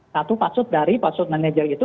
satu maksud dari password manager itu